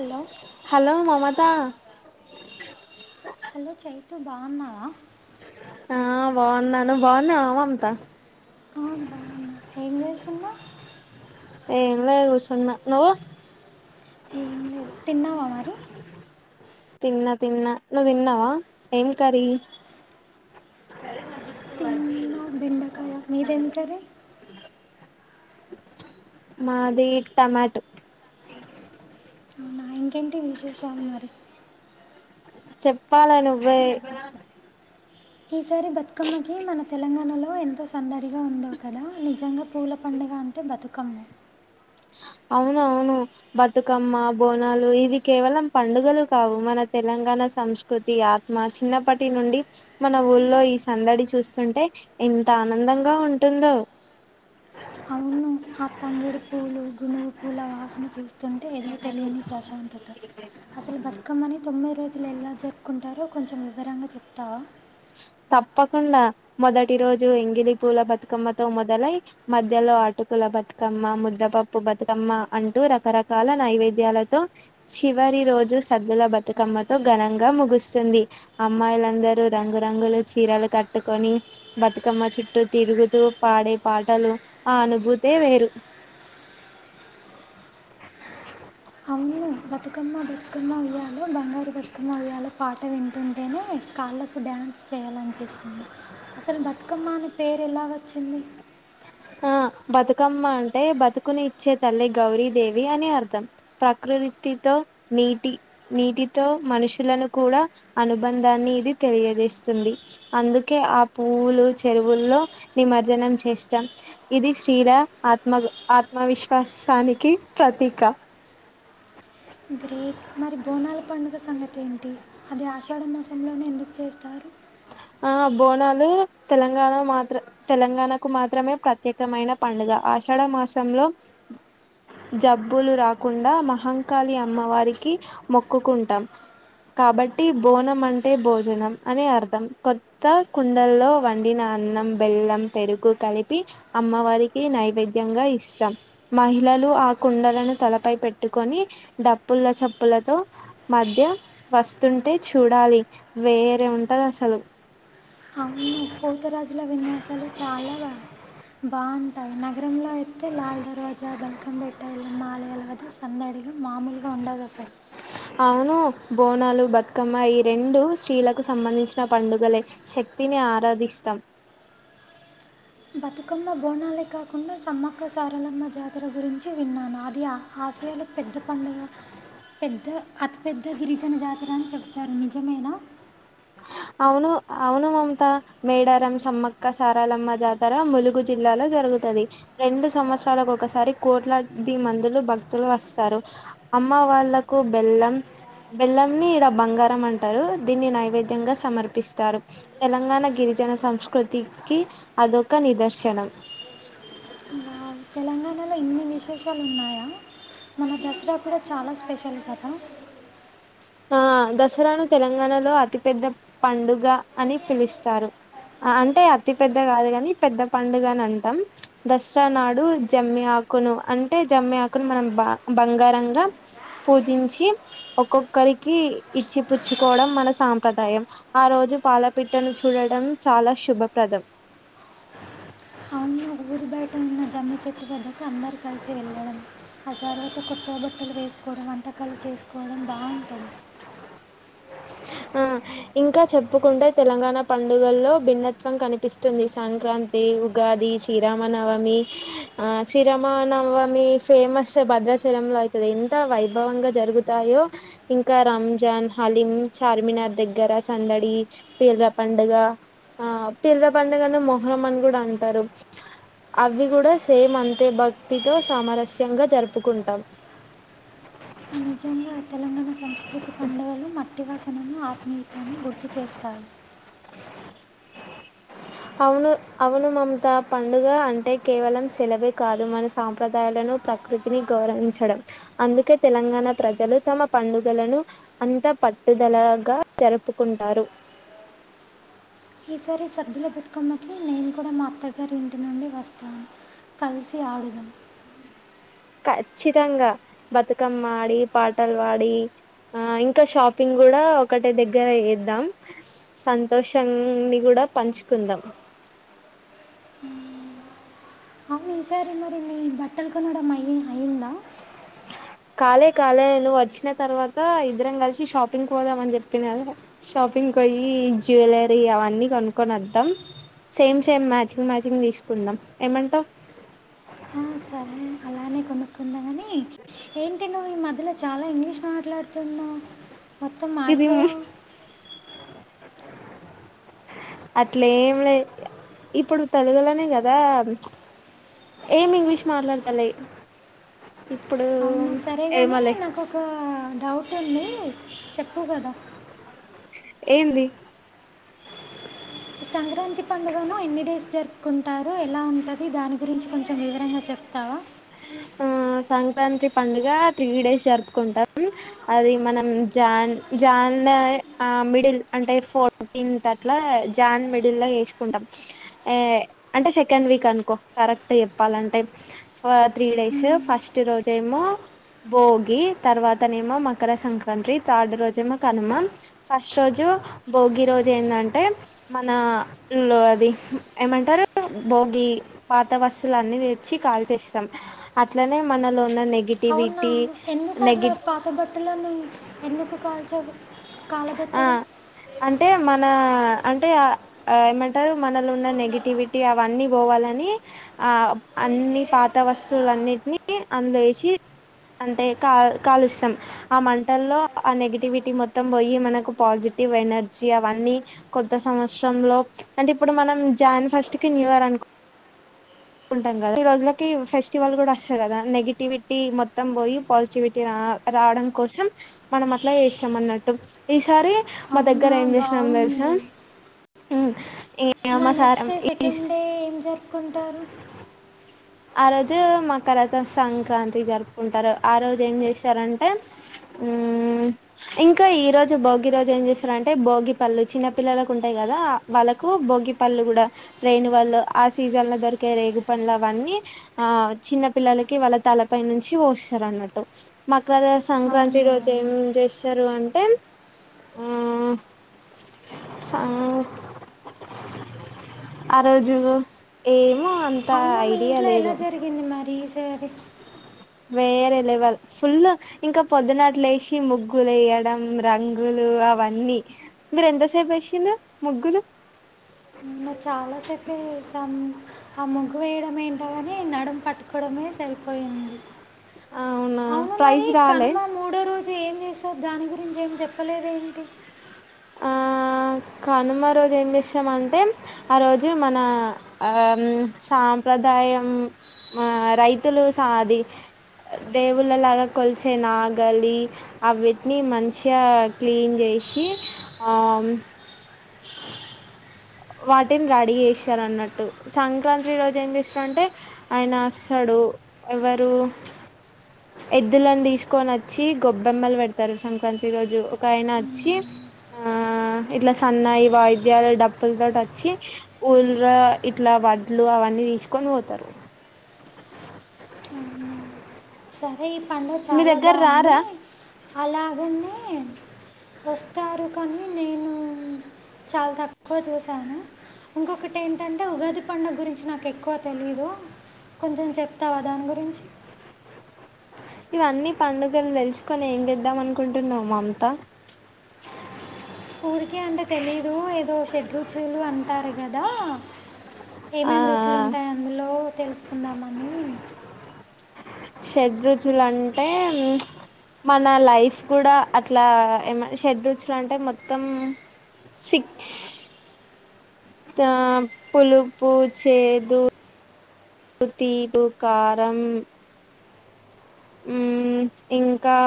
Hello hello Mamata hello Chaitu బాన్నావా ఆ బాగున్నాను బాగున్నావా మమత ఆ, బాగున్నా ఏం చేస్తున్నా ఏం లేదు కుర్సున్న నువ్వు ఏం లేదు తిన్నావా మరి తిన్నా తిన్నా నువ్ తిన్నావా ఏం కర్రీ ఇకు అది తిన్నా బెండకాయ మీదేం కర్రీ మాది టమాటో అవునా ఇంకేంటి విశేషాలు మరి చెప్పాలా నువ్వే ఈసారి బతుకమ్మకి మన తెలంగాణలో ఎంతో సందడిగా ఉందో కదా నిజంగా పూల పండుగ అంటే బతుకమ్మ అవును అవును బతుకమ్మ బోనాలు ఇవి కేవలం పండుగలు కావు మన తెలంగాణ సంస్కృతి ఆత్మ చిన్నప్పటి నుండి మన ఊళ్లో ఈ సందడి చూస్తుంటే ఎంత ఆనందంగా ఉంటుందో అవును ఆ తంగేడి పూలు గునువు పూల వాసన చూస్తుంటే ఏదో తెలియని ప్రశాంతత అసలు బతుకమ్మని తొమ్మిది రోజులు ఎలా జరుపుకుంటారు హలో కొంచెం వివరంగా చెప్తావా తప్పకుండా మొదటి రోజు ఎంగిలి పూల బతుకమ్మతో మొదలై మధ్యలో అటుకుల బతుకమ్మ ముద్దపప్పు బతుకమ్మ అంటూ రకరకాల నైవేద్యాలతో చివరి రోజు సద్దుల బతుకమ్మతో ఘనంగా ముగుస్తుంది అమ్మాయిలందరూ రంగు రంగులు చీరలు కట్టుకొని బతుకమ్మ చుట్టూ తిరుగుతూ పాడే పాటలు ఆ అనుభూతే వేరు అవును బతుకమ్మ బతుకమ్మ ఉయ్యాలో బంగారు బతుకమ్మ ఉయ్యాలో పాట వింటుంటేనే కాళ్ళకు డ్యాన్స్ చేయాలనిపిస్తుంది అసలు బతుకమ్మ అని పేరు ఎలాగా వ చింది ఆ బతుకమ్మ అంటే బతుకుని ఇచ్చే తల్లి గౌరీ దేవి అని అర్థం ప్రకృతితో నీటి నీటితో మనుషులను కూడా అనుబంధాన్ని ఇది తెలియజేస్తుంది అందుకే ఆ పువ్వులు చెరువుల్లో నిమర్జనం చేస్తాం ఇది స్త్రీ రా ఆత్మ ఆత్మవిశ్వాసానికి ప్రతీక గ్రేట్ మరి బోనాల పండుగ సంగతి ఏంటి అది ఆషాఢ మాసంలోనే ఎందుకు చేస్తారు ఆ బోనాలు తెలంగాణ మాత్ర తెలంగాణకు మాత్రమే ప్రత్యేకమైన పండుగ ఆషాఢ మాసంలో జబ్బులు రాకుండా మహంకాళి అమ్మవారికి మొక్కుకుంటాం కాబట్టి బోనం అంటే భోజనం అని అర్థం కొత్త కుండల్లో వండిన అన్నం బెల్లం పెరుగు కలిపి అమ్మవారికి నైవేద్యంగా ఇస్తాం మహిళలు ఆ కుండలను తలపై పెట్టుకొని డప్పుల చప్పులతో మధ్య వస్తుంటే చూడాలి వేరే ఉంటది అసలు అవును పోతరాజుల విన్యాసాలు చాలా బా బాగుంటాయి నగరంలో అయితే లాల్ దర్వాజా బల్కంబేట్ట ఎల్లమలయాల వద్ద సందడిగా మామూలుగా ఉండదు అసలు అవును బోనాలు బతుకమ్మ ఈ రెండు స్త్రీలకు సంబంధించిన పండుగలే శక్తిని ఆరాధిస్తాం బతుకమ్మ బోనాలే కాకుండా సమ్మక్క సారలమ్మ జాతర గురించి విన్నాను అది ఆ ఆశయాల పెద్ద పండుగా పెద్ద అతి పెద్ద గిరిజన జాతర అని చెప్తారు నిజమేనా అవును అవును మమతా మేడారం సమ్మక్క సారాలమ్మ జాతర ములుగు జిల్లాలో జరుగుతుది రెండు సంవత్సరాలకు ఒకసారి కోట్లాది మందులు భక్తులు వస్తారు అమ్మ వాళ్లకు బెల్లం బెల్లంని ఇడ బంగారం అంటారు దీన్ని నైవే ద్యం గా సమర్పిస్తారు తెలంగాణ గిరిజన సంస్కృతికి అదొక నిదర్శనం తెంగాణలో ఇన్ని విశేషాలు ఉన్నాయా మన దసరా కూడా చాలా స్పెషల్ కదా ఆ దసరాను తెలంగాణలో అతిపెద్ద పండుగ అని పిలుస్తారు అంటే అతి పెద్ద కాదు కాని పెద్ద పండుగ అని అంటాం దసరా నాడు జమ్మి ఆకును అంటే జమ్మి ఆకును మనం బ బంగారంగా పూజించి ఒకొక్ ఒకరికి ఇచ్చిపుచ్చుకోవడం మన సాంప్రదాయం ఆ రోజు పాలపిట్టను చూడడం చాలా శుభప్రదం మా ఊరి బయట ఉన్న జమ్మి చెట్టు వద్దకు అందరు కలిసి వెళ్ళడం ఆ తర్వాత కొత్తవ బట్టలు వేసుకోవడం వంటకాలు చేసుకోవడం బాగుంటది ఆ ఇంకా చెప్పుకుంటే తెలంగాణ పండుగల్లో భిన్నత్వం కనిపిస్తుంది సంక్రాంతి ఉగాది శ్రీరామనవమి ఆ శ్రీరామనవమి ఫేమస్ భద్రాచలంలో అవుతుంది ఎంత వైభవంగా జరుగుతాయో ఇంకా రంజాన్ హలీం చార్మినార్ దగ్గర సందడి పిర్రల పండుగ ఆ పిర్రల పండుగనే మొహ్రమన్ కూడా అంటారు అవి కూడా సేమ్ అంతే భక్తితో సామరస్యంగా జరుపుకుంటాం నిజంగా తెలంగాణ సంస్కృతి పండగలు మట్ మట్టివాసనను ఆత్మీయతను గుర్తు చేస్తాయి అవును అవును మమతా పండుగ అంటే కేవలం సెలవే కాదు మన సాంప్రదాయాలను ప్రకృతిని గౌరవించడం అందుకే తెలంగాణ ప్రజలు తమ పండుగలను అంత పట్టుదలగా జరుపుకుంటారు ఈసారి సర్దులో బతుకమ్మ కి నేను కూడా మా అత్తగారి ఇంటి నుండి వస్తాను కలిసి ఆడుదాం ఖచ్చితంగా బతుకమ్మ ఆడి పాటలు వాడి ఆ ఇంకా షాపింగ్ కూడా ఒకటే దగ్గర చేద్దాం సంతోషాన్ని కూడా పంచుకుందాం అవును మీసారి మరి నీ బట్టలు కొనడం అయ్య అయిందా కాలే కాలే నువ్వు వచ్చిన తర్వాత ఇద్దరం కలిసి షాపింగ్ పోదాం అని చెప్పిన కదా షాపింగ్ పోయి జ్యువెలరీ అవన్నీ కొనుక్కొని వద్దాం సేమ్ సేమ్ మ్యాచింగ్ మ్యాచింగ్ తీసుకుందాం ఏమంటావు ఆ, సరే అలానే కొనుకుందాం కాని ఏంటి నువ్వు ఈ మధ్యలో చాలా ఇంగ్లీష్ మాట్లాడుతున్నావు మొత్తం ఇది మారిపోయావ్ అట్లేం లే ఇప్పుడు తెలుగులోనే కదా ఏమి ఇంగ్లీష్ మాట్లాతలే ఇప్పుడు అవునా సరే ఏమో కానీ లే నాకు ఒక డౌట్ ఉంది చెప్పు కదా ఏంది సంక్రాంతి పండుగను ఎన్ని డేస్ జరుపుకుంటారు ఎలా ఉంటది దాని గురించి కొంచెం వివరంగా చెప్తావా ఆ సంక్రాంతి పండుగ త్రీ డేస్ జరుపుకుంటాం అది మనం జాన్ జాన్ ఆ మిడిల్ అంటే ఫోర్టీన్త్ అట్లా జాన్ మిడిల్ లో చెసుకుంటాం అంటే సెకండ్ వీక్ అనుకో కరెక్ట్ చెప్పాలంటే ఫర్ త్రీ డేస్ ఫస్ట్ రోజేమో భోగి తర్వాత నేమో మకర సంక్రాంతి థర్డ్ రోజేమో కనుమ ఫస్ట్ రోజు భోగి రోజు ఏందంటే మన లొ అది ఏమంటారు భోగి పాత వస్తువులు అన్ని తెచ్చి కాల్చేస్ స్తాం అట్లనే మనలో ఉన్న నె అవునా ఎందుకు అట్లా పాత బట్టలను ఎందుకు కాల్చరు. ఆ అంటే మన అంటే ఏమంటారు మనలో ఉన్న నెగిటివిటీ అవన్నీ పోవాలని అని ఆ అన్ని పాత వస్తువులు అన్నిటిని అందుల ఏశి అంటే కా కాలుస్తాం, ఆ మంటల్లో ఆ నెగిటివిటీ మొ త్తం బొయ్యి మనకు పాజిటివ్ ఎనర్జీ అవన్నీ కొత్త సంవత్సరంలో అంటే ఇప్పుడు మనం జాన్ ఫస్ట్ కి న్యూ ఇయర్ అనుకు ంటాం కదా ఈ రోజులకి ఫెస్టివల్ గూడా వస్తది కదా నెగిటివిటీ మొత్తం పోయి పాజిటివిటీ రా రావడం కోసం మనం అట్లా చేస్తాం అన్నట్టు ఈసారి మా దగ్గర అవునా ఏం జేసినాం తెలుసా బాగుంది హ్మ్ మరి నెక్స్ట్ డే సెకండ్ డే ఏం జరు పుకుంటారు. ఆ రోజు మకరత సంక్రాంతి జరుపుకుంటారు. ఆ రోజు ఏం చేస్తారంటే ఉ ఇంకా ఈ రోజు భోగి రోజు ఏం చేశారంటే భోగి పళ్ళు చిన్నపిల్లలకు ఉంటాయి కదా వాళ్ళకు భోగి పళ్ళు కూడా రేనువల్లు ఆ సీజన్ లో దొరికే రేగిపండ్లు అవన్నీ ఆ చిన్న పిల్లలకి వాళ్ళ తలపై నుంచి వోస్తరు అన్నట్టు మకరద సంక్రాంతి అవునా రోజు ఏం చేస్తరు అంటే ఆ సం ఆ రోజు ఏ మో అంతా అవునా మీ ఇ ఇంట్లో ఎలా జరిగింది మరి ఈసారి వేరే లెవల్ ఫుల్ ఇంకా పొద్దున్నట్లు లేసి ముగ్గులు వేయడం, రంగులు అవన్నీ మీరు ఎంతసేపు వేసిర్రు ముగ్గులు. నిన్న చాలాసేపే ఏసాం ఆ ముగ్గు వేయడం ఏంటో కాని నడుం పట్టుకోవడమే సరిపోయింది. అవునా అవును మరి ప్రైజ్ రాలే కనుమా మూడో రో జు ఏం జేసావ్ దాని గురించి ఏం జెప్పలేదు ఏంటి. ఆ కనుమ రోజు ఏం చేస్తామంటే ఆ రోజు మన ఆ సాంప్రదాయం ఆ రైతులు అది దేవుళ్ళలాగా కొలిచే నాగలి అవిటిని మంచిగా క్లీన్ చేసి, ఆ మ్ వాటిని రెడీ చేశ్తరు అన్నట్టు, సంక్రాంతి రోజు ఏం చేస్తారంటే ఆయన అస్తడు ఎవరు ఎద్దులను తీసుకొని అచ్చి గొబ్బెమ్మలు పెడతరు సంక్రాంతి రోజు. ఒక ఆయన అచ్చి ఆ ఇట్లా సన్నాయి వాయిద్యాలు డప్ ప్పుల తోటి వచ్చి ఊర్ల ఇట్లా వడ్లు అవన్నీ తీసుకొని పోతరు. స ఈ పండుగ చాలా బాగుంది రారా అలాగనే వస్తారు కానీ నేను చాలా తక్కువ చూశాను. ఇంకొకటి ఏంటంటే ఉగాది పండుగ గురించి నాకు ఎక్కువ తెలీదు, కొంచెం చెప్తావా దాని గురించి. ఇవన్నీ పండుగలు తెలుసుకొని ఏం చేద్దాం అనుకుంటున్నావు మమతా. ఊరికే అంటే తెలీదు ఏదో షె రుచులు అంటారు గదా, ఆ ఏమేమి రుచులు ఉంటాయి అందులో తెలుసుకుందామని. షడ్ రుచులు అంటే మన లైఫ్ కూడా అట్లా ఏమ షడ్ రుచులు అంటే మొత్తం సిక్స్ తా పులుపు, చేదు తీపు, కారం హ్మ్ ఇంకా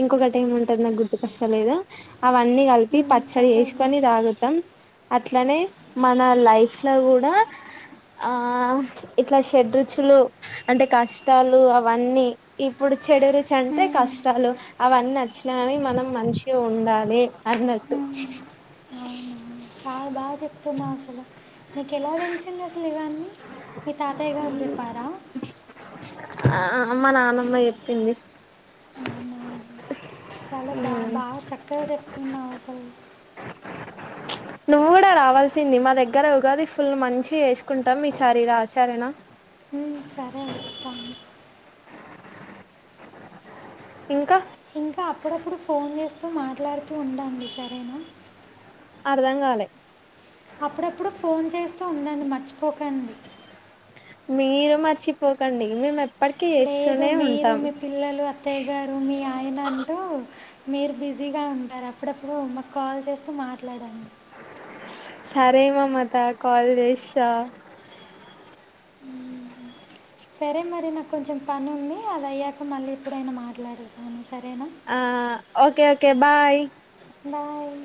ఇంకొకటి ఏం ఉంటది నాకు గుర్తుకొస్తా లేదు. అవన్నీ కలిపి ఉమ్, పచ్చడి సరేలే చేసుకొని తాగుతం. అట్లనే మన లైఫ్ లో కూడా ఆ ఇట్లా షాడ్ రుచులు అంటే కష్టాలు అవన్నీ ఇప్పుడు చెడు రుచి ఉమ్, అంటే కష్టాలు అవన్నీ వచ్చిన గాని మనం మంచిగ ఉండాలి అన్నట్టు అవునువు చాలా బాగా చెప్తున్నావ్ అసలు నీకు ఎలా తెలిసింది అసలు ఇవి అన్ని మీ తాతయ్య గారు చెప్పారా ఆ మా నానమ్మ చెప్పింది అవునా చాలా బా మ్మ్ బాగా చక్కగా చెప్తున్నావు అసలు నువ్వు కూడా రావాల్సింది మా దగ్గర ఉగాది ఫుల్ మంచి గా చెస్ కుంటాం ఈసారి రా సరేనా ఉ సరే వస్తా ఇంకా ఇంకా అప్పుడప్పుడు ఫోన్ చేస్తూ మాట్లాడుతూ ఉండండి సరేనా అర్ధాం కాలే అప్పుడప్పుడు ఫోన్ చేస్తూ ఉన్నాండీ మర్చిపోకండి మీరు మర్చిపోకండి మేడం లేదు మీరు మీ పిల్లలు అత్తయ్య గారు మీ ఆయన అంటూ మీరు బిజీగా ఉంటారు అప్పుడప్పుడు నాకు కాల్ చేస్తూ మాట్లాడండి సారే మమత కాల్ చేస్తా సరే మరి నాకు కొంచెం పని ఉంది అది అయ్యాక మళ్ళీ ఎప్పుడైనా మాట్లాడుదాం ఆ ఓకే ఓకే బాయ్ బాయ్